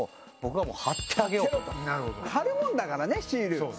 貼るもんだからねシール。